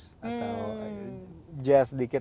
atau jazz sedikit